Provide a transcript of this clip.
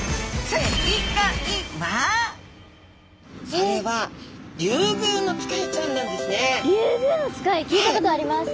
それはリュウグウノツカイ聞いたことあります。